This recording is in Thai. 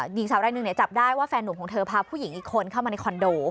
หญิงสาวรายหนึ่งเนี่ยจับได้ว่าแฟนหนุ่มของเธอพาผู้หญิงอีกคนเข้ามาในคอนโด